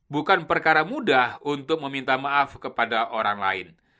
bukan perkara mudah untuk meminta maaf kepada orang lain